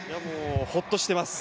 ほっとしています。